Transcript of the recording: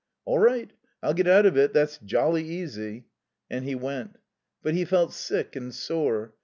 "All right. I'll get out of it. That's jolly easy." And he went. But he felt sick and sore.